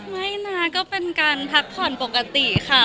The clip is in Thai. ไม่นะก็เป็นการพักผ่อนปกติค่ะ